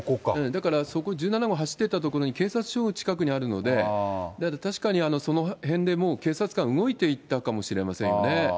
だからそこ、１７号走っていった所に警察署が近くにあるので、だから、確かにその辺でもう、警察官動いていたかもしれませんよ